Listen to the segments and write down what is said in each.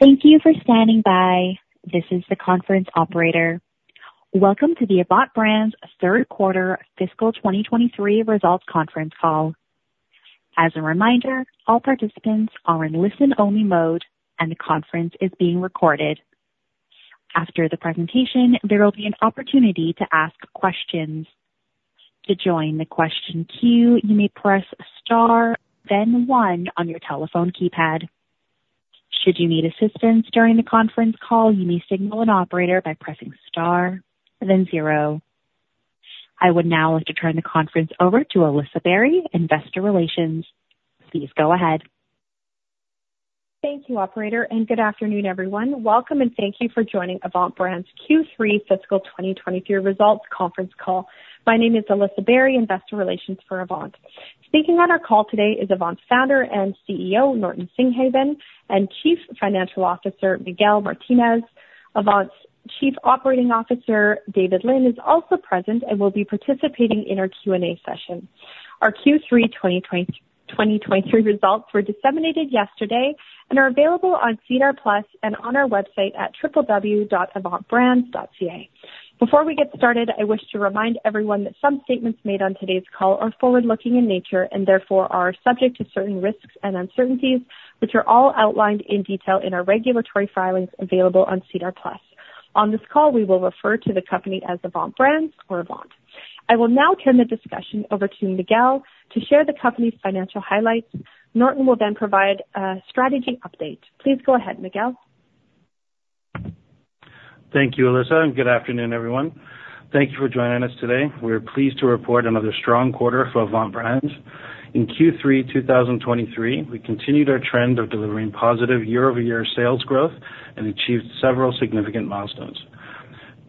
Thank you for standing by. This is the conference operator. Welcome to the Avant Brands third quarter fiscal 2023 results conference call. As a reminder, all participants are in listen-only mode, and the conference is being recorded. After the presentation, there will be an opportunity to ask questions. To join the question queue, you may press star, then one on your telephone keypad. Should you need assistance during the conference call, you may signal an operator by pressing star, then zero. I would now like to turn the conference over to Alyssa Barry, Investor Relations. Please go ahead. Thank you, operator, and good afternoon, everyone. Welcome and thank you for joining Avant Brands Q3 fiscal 2023 results conference call. My name is Alyssa Barry, Investor Relations for Avant. Speaking on our call today is Avant's Founder and CEO, Norton Singhavon, and Chief Financial Officer, Miguel Martinez. Avant's Chief Operating Officer, David Lynn, is also present and will be participating in our Q&A session. Our Q3 2023 results were disseminated yesterday and are available on SEDAR+ and on our website at www.avantbrands.ca. Before we get started, I wish to remind everyone that some statements made on today's call are forward-looking in nature, and therefore are subject to certain risks and uncertainties, which are all outlined in detail in our regulatory filings available on SEDAR+. On this call, we will refer to the company as Avant Brands or Avant. I will now turn the discussion over to Miguel to share the company's financial highlights. Norton will then provide a strategy update. Please go ahead, Miguel. Thank you, Alyssa, and good afternoon, everyone. Thank you for joining us today. We are pleased to report another strong quarter for Avant Brands. In Q3 2023, we continued our trend of delivering positive year-over-year sales growth and achieved several significant milestones.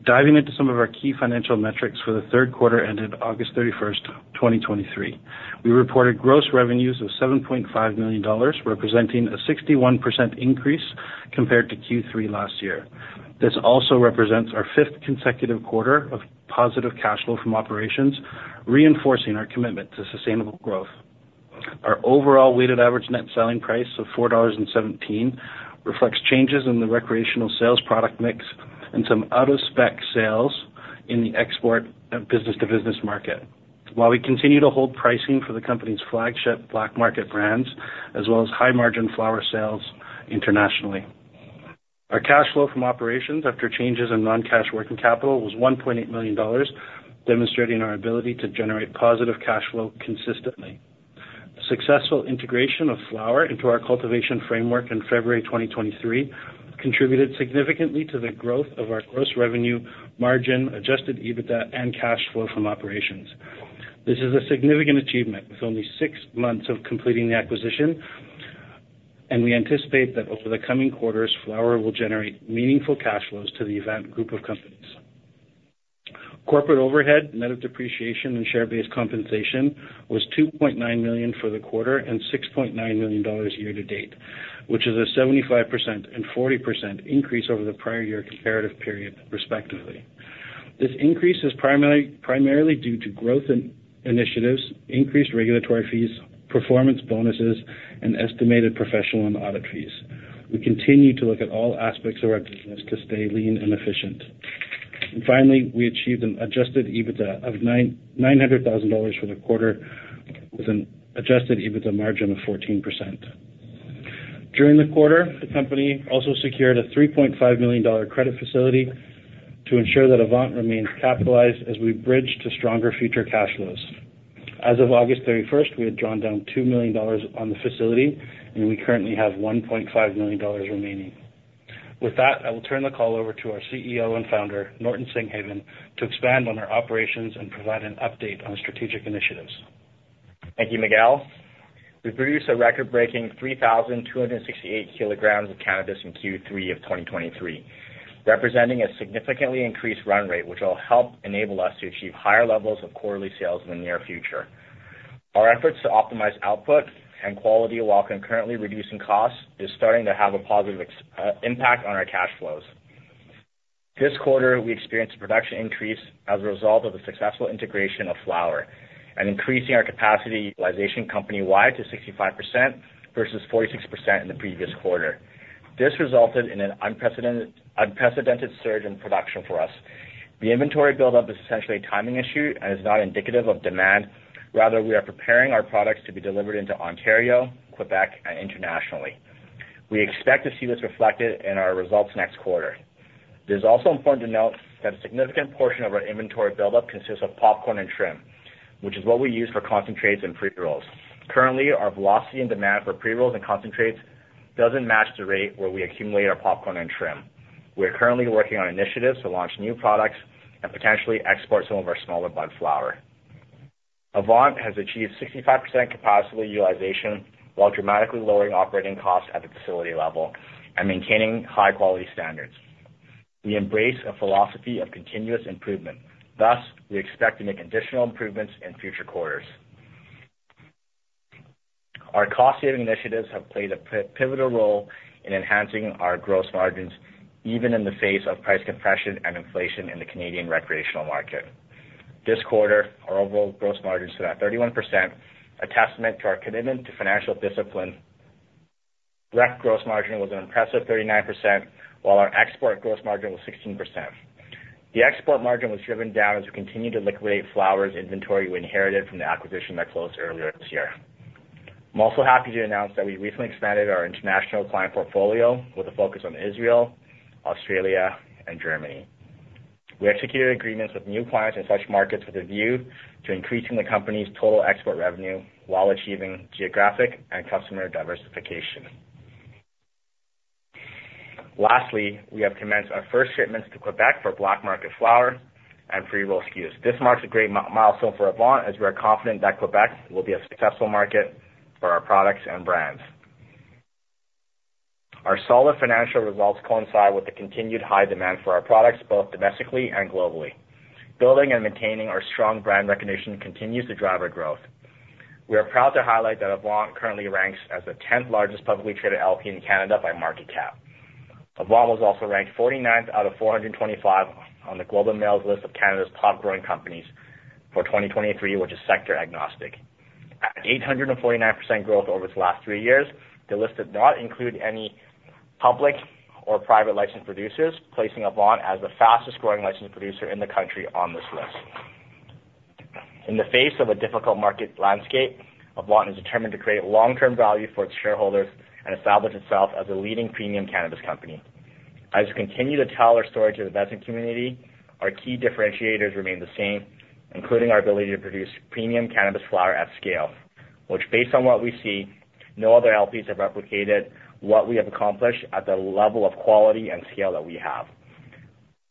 Diving into some of our key financial metrics for the third quarter ended August 31st, 2023, we reported gross revenues of 7.5 million dollars, representing a 61% increase compared to Q3 last year. This also represents our fifth consecutive quarter of positive cash flow from operations, reinforcing our commitment to sustainable growth. Our overall weighted average net selling price of 4.17 dollars reflects changes in the recreational sales product mix and some out-of-spec sales in the export business-to-business market. While we continue to hold pricing for the company's flagship BLK MKT brands, as well as high-margin flower sales internationally. Our cash flow from operations after changes in non-cash working capital was 1.8 million dollars, demonstrating our ability to generate positive cash flow consistently. The successful integration of Flowr into our cultivation framework in February 2023 contributed significantly to the growth of our gross revenue margin, adjusted EBITDA, and cash flow from operations. This is a significant achievement, with only six months of completing the acquisition, and we anticipate that over the coming quarters, Flowr will generate meaningful cash flows to the Avant group of companies. Corporate overhead, net of depreciation and share-based compensation, was 2.9 million for the quarter and 6.9 million dollars year-to-date, which is a 75% and 40% increase over the prior year comparative period, respectively. This increase is primarily due to growth in initiatives, increased regulatory fees, performance bonuses, and estimated professional and audit fees. We continue to look at all aspects of our business to stay lean and efficient. Finally, we achieved an adjusted EBITDA of 900,000 dollars for the quarter, with an adjusted EBITDA margin of 14%. During the quarter, the company also secured a 3.5 million dollar credit facility to ensure that Avant remains capitalized as we bridge to stronger future cash flows. As of August 31st, we had drawn down 2 million dollars on the facility, and we currently have 1.5 million dollars remaining. With that, I will turn the call over to our CEO and Founder, Norton Singhavon, to expand on our operations and provide an update on strategic initiatives. Thank you, Miguel. We produced a record-breaking 3,268 kg of cannabis in Q3 of 2023, representing a significantly increased run rate, which will help enable us to achieve higher levels of quarterly sales in the near future. Our efforts to optimize output and quality while concurrently reducing costs is starting to have a positive impact on our cash flows. This quarter, we experienced a production increase as a result of the successful integration of Flowr and increasing our capacity utilization company-wide to 65% versus 46% in the previous quarter. This resulted in an unprecedented, unprecedented surge in production for us. The inventory buildup is essentially a timing issue and is not indicative of demand. Rather, we are preparing our products to be delivered into Ontario, Quebec, and internationally. We expect to see this reflected in our results next quarter. It is also important to note that a significant portion of our inventory buildup consists of popcorn and trim, which is what we use for concentrates and pre-rolls. Currently, our velocity and demand for pre-rolls and concentrates doesn't match the rate where we accumulate our popcorn and trim. We are currently working on initiatives to launch new products and potentially export some of our smaller bud flower. Avant has achieved 65% capacity utilization, while dramatically lowering operating costs at the facility level and maintaining high-quality standards. We embrace a philosophy of continuous improvement. Thus, we expect to make additional improvements in future quarters. Our cost-saving initiatives have played a pivotal role in enhancing our gross margins, even in the face of price compression and inflation in the Canadian recreational market. This quarter, our overall gross margins to that 31%, a testament to our commitment to financial discipline. Rec gross margin was an impressive 39%, while our export gross margin was 16%. The export margin was driven down as we continued to liquidate Flowr's inventory we inherited from the acquisition that closed earlier this year. I'm also happy to announce that we recently expanded our international client portfolio with a focus on Israel, Australia, and Germany. We executed agreements with new clients in such markets with a view to increasing the company's total export revenue while achieving geographic and customer diversification. Lastly, we have commenced our first shipments to Quebec for BLK MKT flower and pre-roll SKUs. This marks a great milestone for Avant, as we are confident that Quebec will be a successful market for our products and brands. Our solid financial results coincide with the continued high demand for our products, both domestically and globally. Building and maintaining our strong brand recognition continues to drive our growth. We are proud to highlight that Avant currently ranks as the 10th-largest publicly traded LP in Canada by market cap. Avant was also ranked 49th out of 425 on the Globe and Mail's list of Canada's Top Growing Companies for 2023, which is sector agnostic. At 849% growth over the last three years, the list did not include any public or private licensed producers, placing Avant as the fastest growing licensed producer in the country on this list. In the face of a difficult market landscape, Avant is determined to create long-term value for its shareholders and establish itself as a leading premium cannabis company. As we continue to tell our story to the investing community, our key differentiators remain the same, including our ability to produce premium cannabis flower at scale, which, based on what we see, no other LPs have replicated what we have accomplished at the level of quality and scale that we have.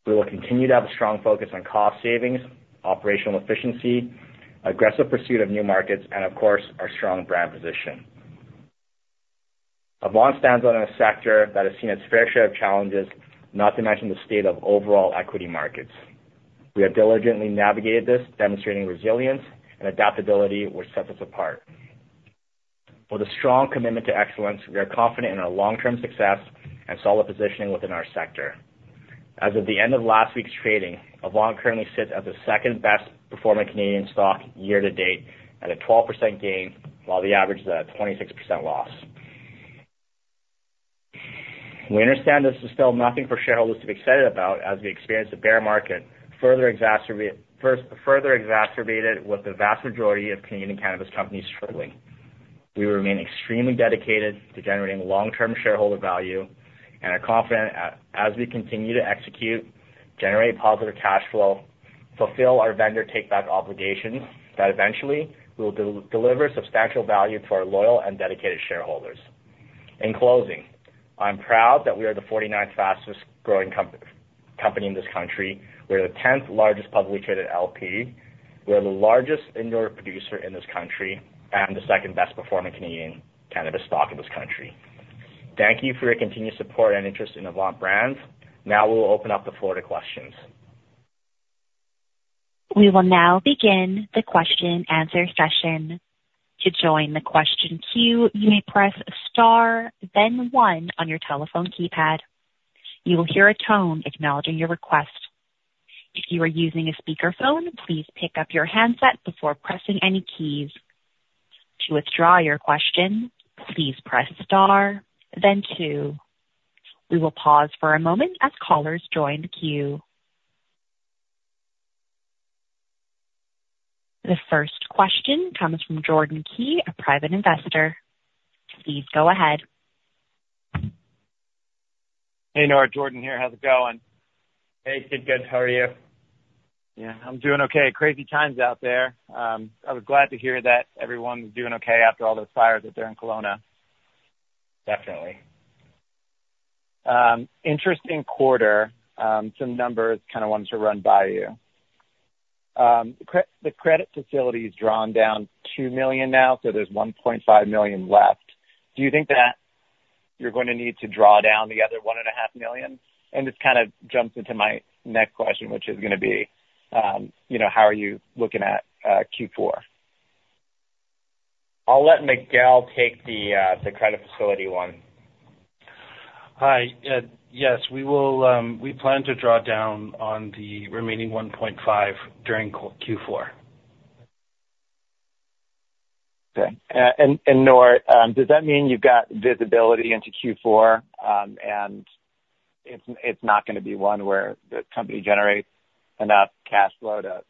We will continue to have a strong focus on cost savings, operational efficiency, aggressive pursuit of new markets, and, of course, our strong brand position. Avant stands on a sector that has seen its fair share of challenges, not to mention the state of overall equity markets. We have diligently navigated this, demonstrating resilience and adaptability, which sets us apart. With a strong commitment to excellence, we are confident in our long-term success and solid positioning within our sector. As of the end of last week's trading, Avant currently sits as the second best performing Canadian stock year-to-date at a 12% gain, while the average is at a 26% loss. We understand this is still nothing for shareholders to be excited about, as we experienced a bear market, further exacerbated with the vast majority of Canadian cannabis companies struggling. We remain extremely dedicated to generating long-term shareholder value and are confident as we continue to execute, generate positive cash flow, fulfill our vendor take-back obligations, that eventually we will deliver substantial value to our loyal and dedicated shareholders. In closing, I'm proud that we are the 49th fastest growing company in this country. We are the 10th-largest publicly traded LP. We are the largest indoor producer in this country and the second best performing Canadian cannabis stock in this country. Thank you for your continued support and interest in Avant Brands. Now we'll open up the floor to questions. We will now begin the question and answer session. To join the question queue, you may press star, then one on your telephone keypad. You will hear a tone acknowledging your request. If you are using a speakerphone, please pick up your handset before pressing any keys. To withdraw your question, please press star, then two. We will pause for a moment as callers join the queue. The first question comes from Jordan Key, a private investor. Please go ahead. Hey, Nor. Jordan here. How's it going? Hey, pretty good. How are you? Yeah, I'm doing okay. Crazy times out there. I was glad to hear that everyone was doing okay after all those fires out there in Kelowna. Definitely. Interesting quarter. Some numbers, kind of wanted to run by you. The credit facility is drawn down 2 million now, so there's 1.5 million left. Do you think that you're going to need to draw down the other 1.5 million? And this kind of jumps into my next question, which is going to be, you know, how are you looking at Q4? I'll let Miguel take the credit facility one. Hi. Yes, we will. We plan to draw down on the remaining 1.5 million during Q4. Okay. And Nor, does that mean you've got visibility into Q4, and it's not going to be one where the company generates enough cash flow to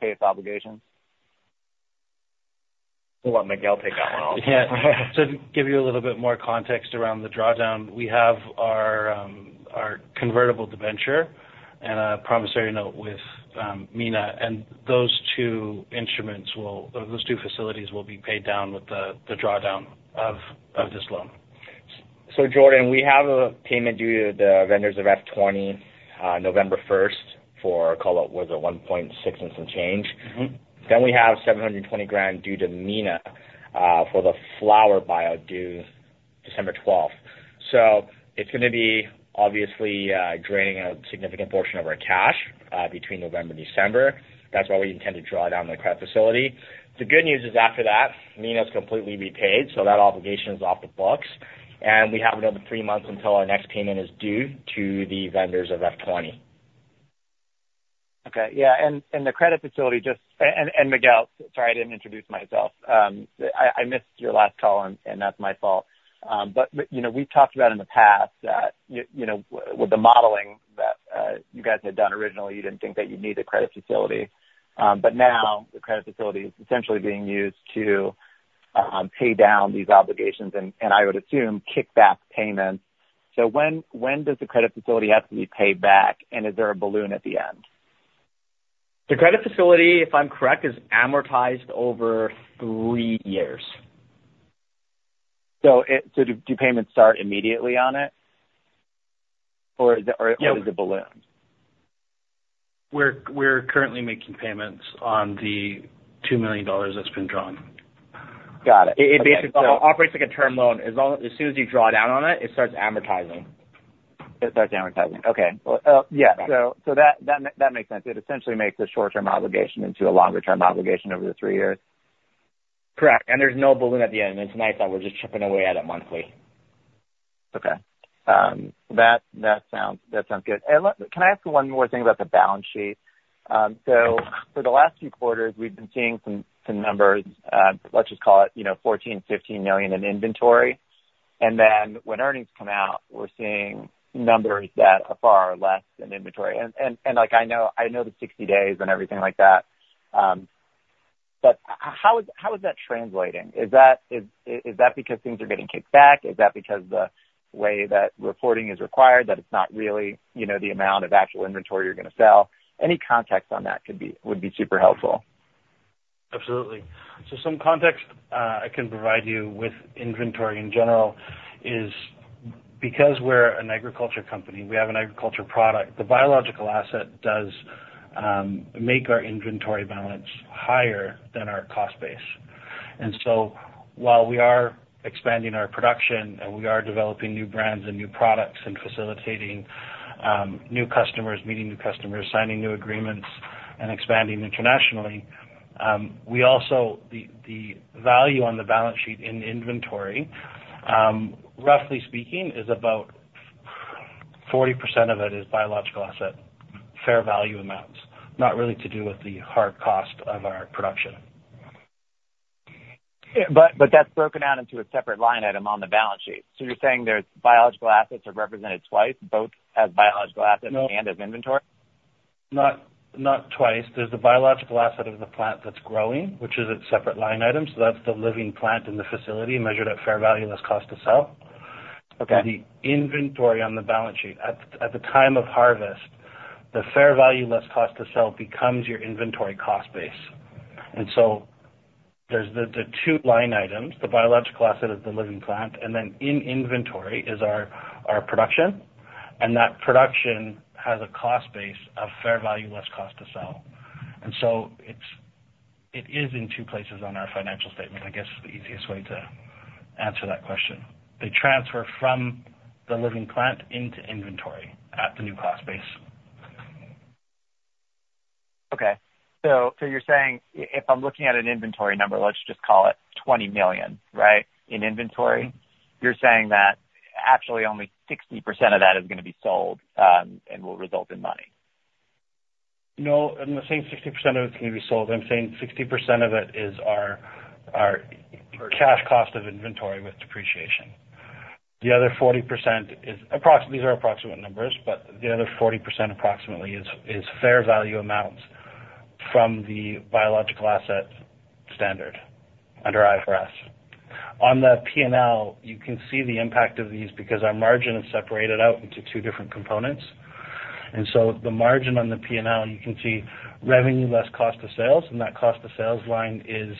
pay its obligations? We'll let Miguel take that one also. Yeah. To give you a little bit more context around the drawdown, we have our convertible debenture and a promissory note with MENA, and those two instruments will, those two facilities will be paid down with the drawdown of this loan. Jordan, we have a payment due to the vendors of F-20, November 1st, for call it, was 1.6 and some change. Mm-hmm. Then we have 720,000 due to MENA for the Flowr bio due December 12th. So it's going to be obviously draining a significant portion of our cash between November and December. That's why we intend to draw down the credit facility. The good news is after that, MENA's completely repaid, so that obligation is off the books. We have another three months until our next payment is due to the vendors of F-20. Okay. Yeah, and the credit facility, and Miguel, sorry, I didn't introduce myself. I missed your last call, and that's my fault. But you know, we've talked about in the past that you know, with the modeling that you guys had done originally, you didn't think that you'd need the credit facility. But now the credit facility is essentially being used to pay down these obligations and I would assume, kick back payments. So when does the credit facility have to be paid back, and is there a balloon at the end? The credit facility, if I'm correct, is amortized over three years. So do payments start immediately on it, or is it? Yes. Or is it a balloon? We're currently making payments on the 2 million dollars that's been drawn. Got it. It basically operates like a term loan. As long as, as soon as you draw down on it, it starts amortizing. It starts amortizing. Okay. Well, yeah, so that makes sense. It essentially makes a short-term obligation into a longer-term obligation over the three years. Correct. There's no balloon at the end. It's nice that we're just chipping away at it monthly. Okay. That sounds good. Can I ask you one more thing about the balance sheet? So for the last few quarters, we've been seeing some numbers, let's just call it, you know, 14 million-15 million in inventory, and then when earnings come out, we're seeing numbers that are far less than inventory. And like, I know the 60 days and everything like that, but how is that translating? Is that because things are getting kicked back? Is that because the way that reporting is required, that it's not really, you know, the amount of actual inventory you're going to sell? Any context on that could be, would be super helpful. Absolutely. So some context, I can provide you with inventory in general is because we're an agriculture company, we have an agriculture product, the biological asset does make our inventory balance higher than our cost base. And so while we are expanding our production, and we are developing new brands and new products and facilitating new customers, meeting new customers, signing new agreements, and expanding internationally, we also, the value on the balance sheet in inventory, roughly speaking, is about 40% of it is biological asset, fair value amounts, not really to do with the hard cost of our production. But that's broken out into a separate line item on the balance sheet. So you're saying there's biological assets are represented twice, both as biological assets. No. And as inventory? Not, not twice. There's the biological asset of the plant that's growing, which is a separate line item, so that's the living plant in the facility, measured at fair value, less cost to sell. Okay. The inventory on the balance sheet. At the time of harvest, the fair value less cost to sell becomes your inventory cost base. And so there's the two line items, the biological asset of the living plant, and then in inventory is our production, and that production has a cost base of fair value less cost to sell. And so it is in two places on our financial statement, I guess, the easiest way to answer that question. They transfer from the living plant into inventory at the new cost base. Okay. So you're saying if I'm looking at an inventory number, let's just call it 20 million, right, in inventory? You're saying that actually only 60% of that is going to be sold, and will result in money. No, I'm not saying 60% of it is going to be sold. I'm saying 60% of it is our, our cash cost of inventory with depreciation. The other 40% is, these are approximate numbers, but the other 40%, approximately, is, is fair value amounts from the biological asset standard under IFRS. On the P&L, you can see the impact of these because our margin is separated out into two different components. And so the margin on the P&L, you can see revenue less cost of sales, and that cost of sales line is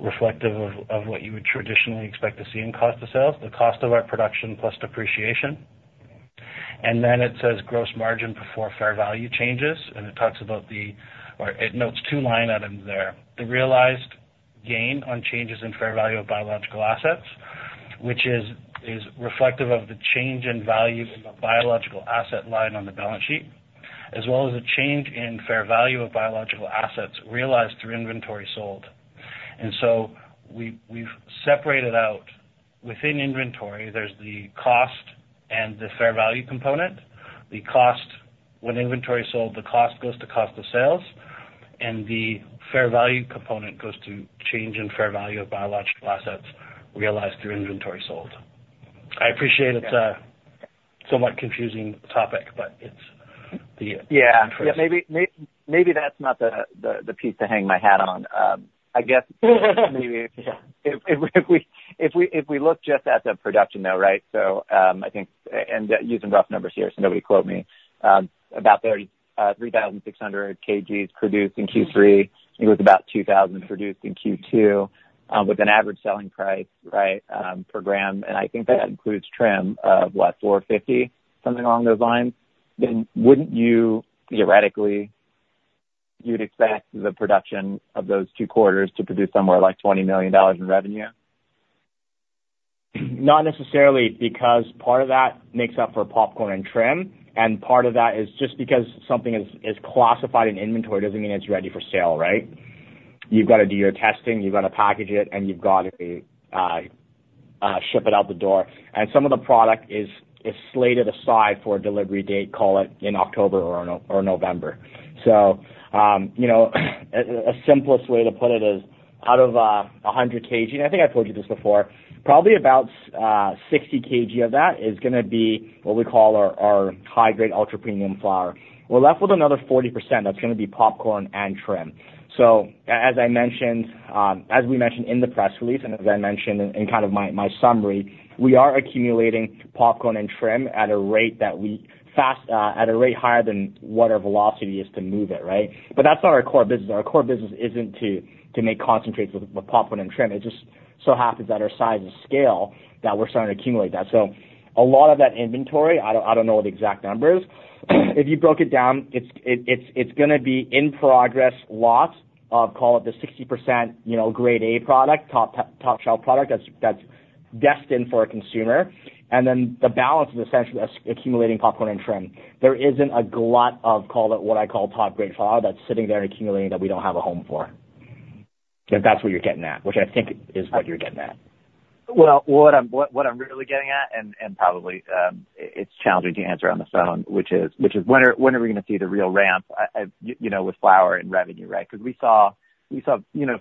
reflective of, of what you would traditionally expect to see in cost of sales, the cost of our production plus depreciation. And then it says gross margin before fair value changes, and it talks about the, or it notes two line items there. The realized gain on changes in fair value of biological assets, which is reflective of the change in value in the biological asset line on the balance sheet, as well as a change in fair value of biological assets realized through inventory sold. And so we've separated out, within inventory, there's the cost and the fair value component. The cost, when inventory is sold, the cost goes to cost of sales, and the fair value component goes to change in fair value of biological assets realized through inventory sold. I appreciate it's a somewhat confusing topic, but it's the. Yeah. Maybe that's not the piece to hang my hat on. I guess maybe if we look just at the production, though, right? So, I think, and using rough numbers here, so nobody quote me, about 33,600 kg produced in Q3. It was about 2,000 kg produced in Q2, with an average selling price, right, per gram. And I think that includes trim of what? 4.50, something along those lines? Then wouldn't you theoretically expect the production of those two quarters to produce somewhere like 20 million dollars in revenue? Not necessarily, because part of that makes up for popcorn and trim, and part of that is just because something is classified in inventory doesn't mean it's ready for sale, right? You've got to do your testing, you've got to package it, and you've got to ship it out the door. And some of the product is slated aside for a delivery date, call it in October or November. So, you know, a simplest way to put it is out of 100 kg, and I think I told you this before, probably about 60 kg of that is gonna be what we call our, our high-grade ultra premium flower. We're left with another 40%, that's gonna be popcorn and trim. So as I mentioned, as we mentioned in the press release, and as I mentioned in kind of my summary, we are accumulating popcorn and trim at a rate that we fast, at a rate higher than what our velocity is to move it, right? But that's not our core business. Our core business isn't to make concentrates with popcorn and trim. It just so happens that our size and scale, that we're starting to accumulate that. So a lot of that inventory, I don't know the exact numbers. If you broke it down, it's gonna be in progress, lots of, call it the 60%, you know, Grade A product, top shelf product, that's destined for a consumer. And then the balance is essentially as accumulating popcorn and trim. There isn't a lot of, call it, what I call top grade flower, that's sitting there accumulating, that we don't have a home for. If that's what you're getting at, which I think is what you're getting at. Well, what I'm really getting at, and probably it's challenging to answer on the phone, which is when are we gonna see the real ramp, you know, with Flowr and revenue, right? Because we saw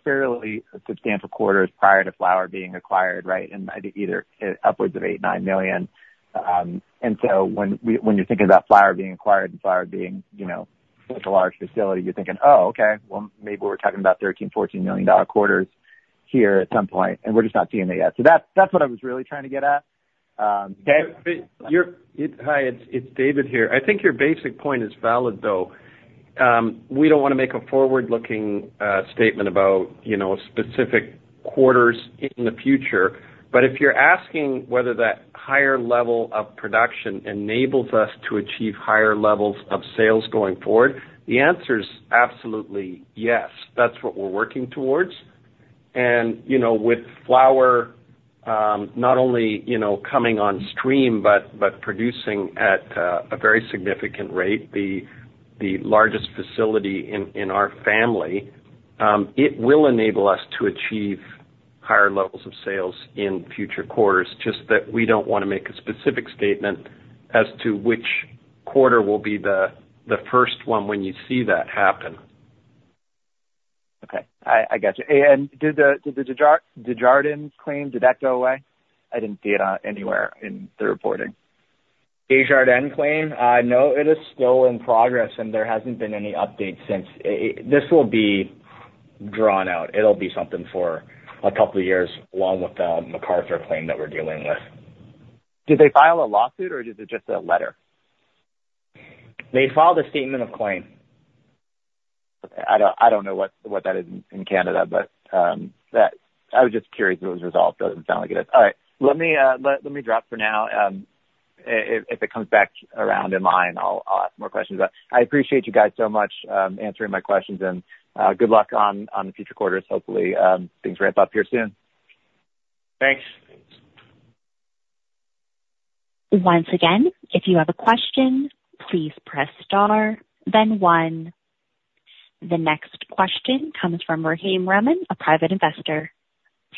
fairly substantial quarters prior to Flowr being acquired, right? And I think either upwards of 8-9 million. And so when you're thinking about Flowr being acquired and Flowr being such a large facility, you're thinking, "Oh, okay, well, maybe we're talking about 13 million-14 million dollar quarters here at some point," and we're just not seeing that yet. So that's what I was really trying to get at. But, you're. Hi, it's David here. I think your basic point is valid, though. We don't want to make a forward-looking statement about, you know, specific quarters in the future. But if you're asking whether that higher level of production enables us to achieve higher levels of sales going forward, the answer is absolutely yes. That's what we're working towards. And, you know, with Flowr, not only, you know, coming on stream, but producing at a very significant rate, the largest facility in our family, it will enable us to achieve higher levels of sales in future quarters. Just that we don't want to make a specific statement as to which quarter will be the first one when you see that happen. Okay, I got you. And did the Desjardins claim go away? I didn't see it anywhere in the reporting. Desjardins claim? No, it is still in progress, and there hasn't been any update since. This will be drawn out. It'll be something for a couple of years, along with the MacArthur claim that we're dealing with. Did they file a lawsuit or is it just a letter? They filed a statement of claim. Okay. I don't know what that is in Canada, but that, I was just curious if it was resolved. Doesn't sound like it is. All right. Let me drop for now. If it comes back around in line, I'll ask more questions. But I appreciate you guys so much answering my questions, and good luck on the future quarters. Hopefully, things ramp up here soon. Thanks. Thanks. Once again, if you have a question, please press star, then one. The next question comes from Rahim Rahman, a private investor.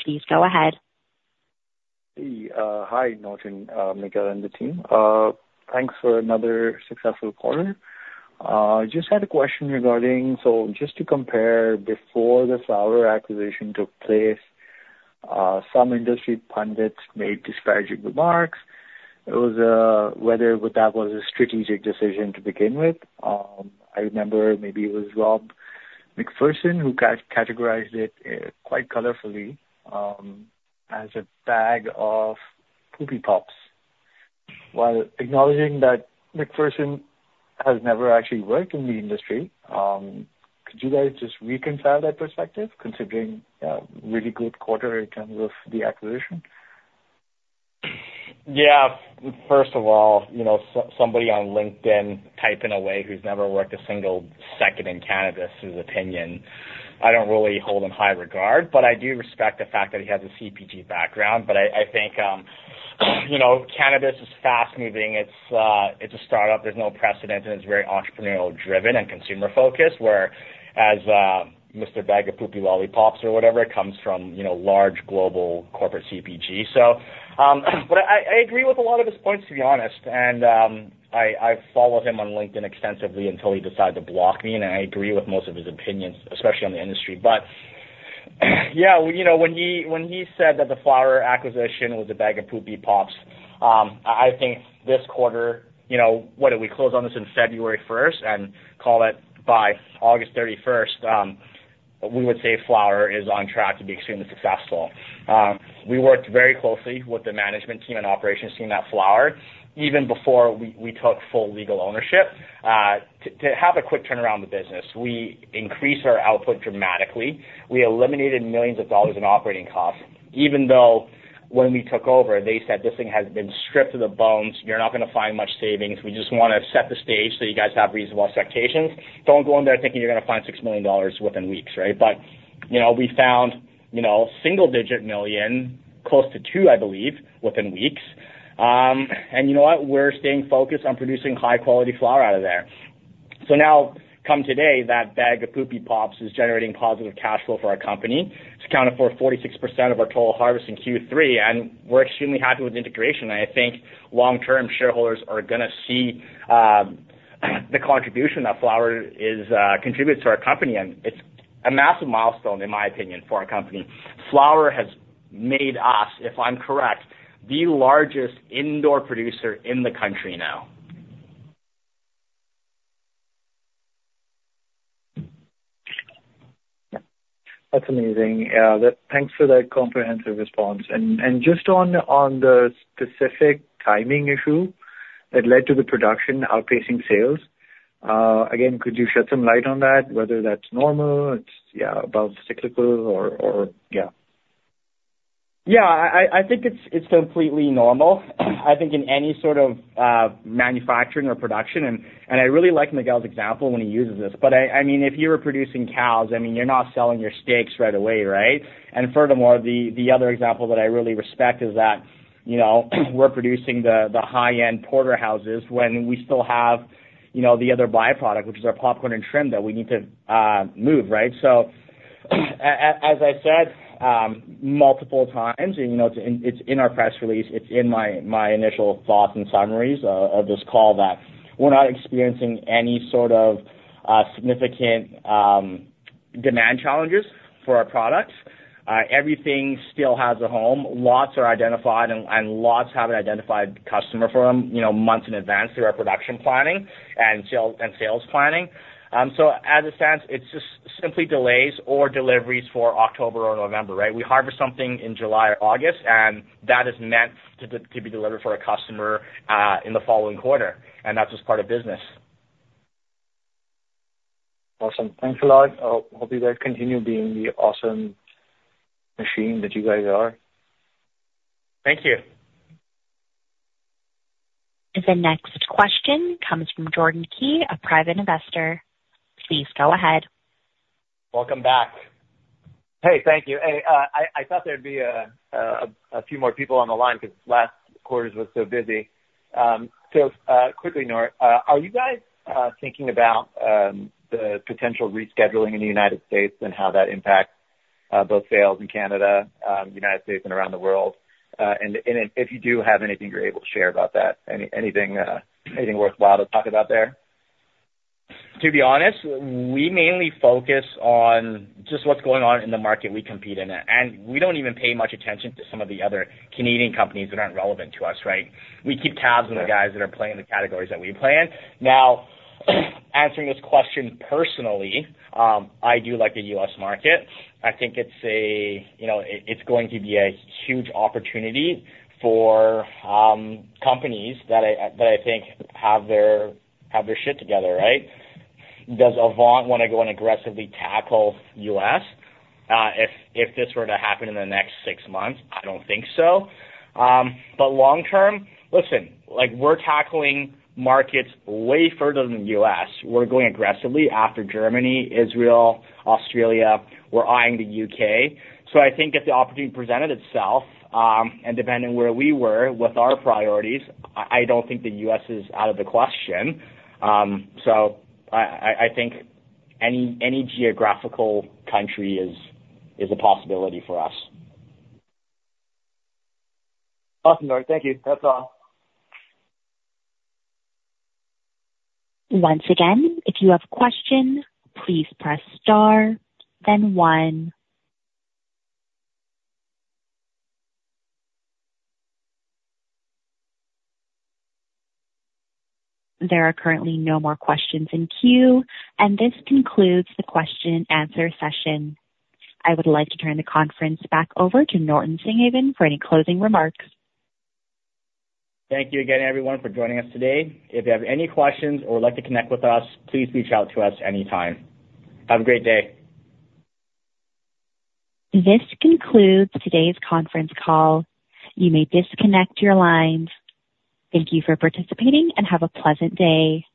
Please go ahead. Hey, hi, Norton, Miguel, and the team. Thanks for another successful quarter. Just had a question regarding, so just to compare, before the Flowr acquisition took place, some industry pundits made disparaging remarks. It was whether that was a strategic decision to begin with. I remember, maybe it was Rob McPherson, who categorized it quite colorfully as a bag of poopy pops. While acknowledging that McPherson has never actually worked in the industry, could you guys just reconcile that perspective, considering really good quarter in terms of the acquisition? Yeah. First of all, you know, somebody on LinkedIn typing away, who's never worked a single second in cannabis, whose opinion I don't really hold in high regard, but I do respect the fact that he has a CPG background. But I think, you know, cannabis is fast-moving. It's, it's a startup. There's no precedent, and it's very entrepreneurial-driven and consumer-focused, whereas, Mr. Bag of Poopy Lollipops or whatever, comes from, you know, large global corporate CPG. So, but I agree with a lot of his points, to be honest, and, I followed him on LinkedIn extensively until he decided to block me, and I agree with most of his opinions, especially on the industry. But, yeah, you know, when he said that the Flowr acquisition was a bag of poopy pops, I think this quarter, you know. What, did we close on this in February 1st and call it by August 31st? We would say Flowr is on track to be extremely successful. We worked very closely with the management team and operations team at Flowr, even before we took full legal ownership, to have a quick turnaround of the business. We increased our output dramatically. We eliminated millions of dollars in operating costs, even though when we took over, they said, "This thing has been stripped to the bones. You're not going to find much savings. We just want to set the stage so you guys have reasonable expectations. Don't go in there thinking you're going to find 6 million dollars within weeks, right?" But, you know, we found, you know, single-digit million, close to 2 million, I believe, within weeks. And you know what? We're staying focused on producing high quality flower out of there. So now, come today, that bag of poopy pops is generating positive cash flow for our company. It's accounted for 46% of our total harvest in Q3, and we're extremely happy with the integration. I think long-term shareholders are gonna see, the contribution that Flowr is, contributes to our company, and it's a massive milestone, in my opinion, for our company. Flowr has made us, if I'm correct, the largest indoor producer in the country now. That's amazing. Yeah, that—thanks for that comprehensive response. And just on the specific timing issue that led to the production outpacing sales, again, could you shed some light on that, whether that's normal, about cyclical or. Yeah, I think it's completely normal. I think in any sort of manufacturing or production, and I really like Miguel's example when he uses this, but I mean, if you were producing cows, I mean, you're not selling your steaks right away, right? And furthermore, the other example that I really respect is that, you know, we're producing the high-end porterhouses when we still have, you know, the other byproduct, which is our popcorn and trim, that we need to move, right? So, as I said multiple times, and, you know, it's in our press release, it's in my initial thoughts and summaries of this call, that we're not experiencing any sort of significant demand challenges for our products. Everything still has a home. Lots are identified, and lots have an identified customer for them, you know, months in advance through our production planning and sales planning. So as a sense, it's just simply delays or deliveries for October or November, right? We harvest something in July or August, and that is meant to be delivered for a customer in the following quarter, and that's just part of business. Awesome. Thanks a lot. I hope you guys continue being the awesome machine that you guys are. Thank you. The next question comes from Jordan Key, a private investor. Please go ahead. Welcome back. Hey, thank you. Hey, I thought there'd be a few more people on the line because last quarter was so busy. So, quickly, Nor, are you guys thinking about the potential rescheduling in the United States and how that impacts both sales in Canada, United States, and around the world? And if you do have anything you're able to share about that, anything worthwhile to talk about there? To be honest, we mainly focus on just what's going on in the market we compete in, and we don't even pay much attention to some of the other Canadian companies that aren't relevant to us, right? We keep tabs on the guys that are playing in the categories that we play in. Now, answering this question personally, I do like the U.S. market. I think it's a, you know, it's going to be a huge opportunity for companies that I think have their shit together, right? Does Avant want to go and aggressively tackle U.S.? If this were to happen in the next six months, I don't think so. But long term, listen, like, we're tackling markets way further than the U.S. We're going aggressively after Germany, Israel, Australia. We're eyeing the U.K. So I think if the opportunity presented itself, and depending where we were with our priorities, I don't think the U.S. is out of the question. So I think any geographical country is a possibility for us. Awesome, Nor. Thank you. That's all. Once again, if you have questions, please press star, then one. There are currently no more questions in queue, and this concludes the question and answer session. I would like to turn the conference back over to Norton Singhavon for any closing remarks. Thank you again, everyone, for joining us today. If you have any questions or would like to connect with us, please reach out to us anytime. Have a great day. This concludes today's conference call. You may disconnect your lines. Thank you for participating and have a pleasant day.